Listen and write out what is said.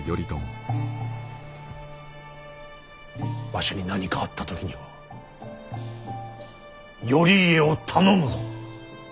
わしに何かあった時には頼家を頼むぞ。